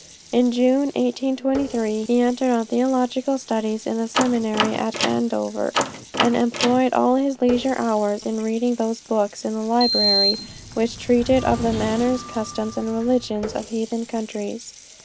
In June, 1823, he entered on theological studies in the seminary at Andover, and employed all his leisure hours in reading those books in the library which treated of the manners, customs, and religions of heathen countries.